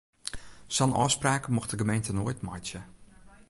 Sa'n ôfspraak mocht de gemeente noait meitsje.